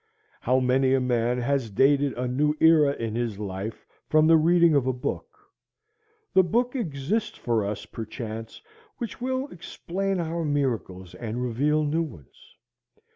How many a man has dated a new era in his life from the reading of a book. The book exists for us perchance which will explain our miracles and reveal new ones.